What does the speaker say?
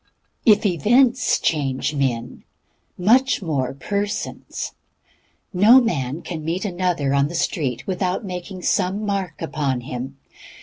If events change men, much more persons. No man can meet another on the street without making some mark upon him.